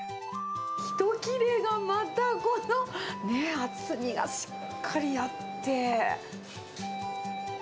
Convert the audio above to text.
ひと切れがまたこの、ね、厚みがしっかりあって。